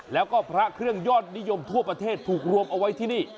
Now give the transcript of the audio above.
แล้วก็พระเครื่องยอดนิยมทั่วประเทศถูกรวมเอาไว้ที่นี่